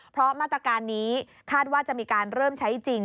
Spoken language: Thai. เพราะมาตรการนี้คาดว่าจะมีการเริ่มใช้จริง